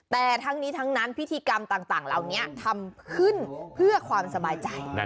แต่ทั้งนี้ทั้งนั้นพิธีกรรมต่างเหล่านี้ทำขึ้นเพื่อความสบายใจ